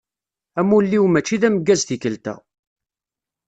Amulli-w mačči d ameggaz tikelt-a.